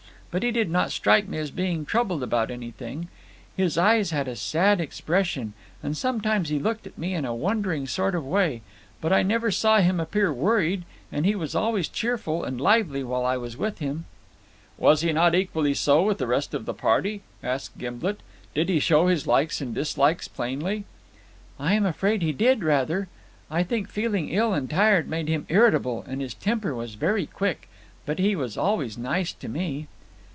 But he did not strike me as being troubled about anything; his eyes had a sad expression, and sometimes he looked at me in a wondering sort of way; but I never saw him appear worried, and he was always cheerful and lively while I was with him." "Was he not equally so with the rest of the party?" asked Gimblet. "Did he show his likes and dislikes plainly?" "I am afraid he did, rather. I think feeling ill and tired made him irritable, and his temper was very quick. But he was always nice to me."